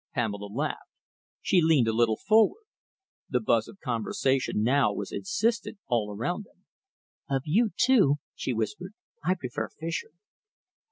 Pamela laughed. She leaned a little forward. The buzz of conversation now was insistent all around them. "Of you two," she whispered, "I prefer Fischer."